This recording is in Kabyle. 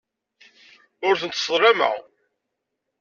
Ur tent-sseḍlameɣ.